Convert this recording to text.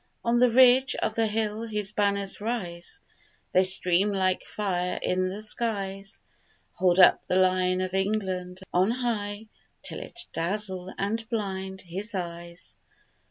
On the ridge of the hill his banners rise; They stream like fire in the skies; Hold up the Lion of England on high Till it dazzle and blind his eyes.